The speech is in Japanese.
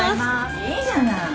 いいじゃない。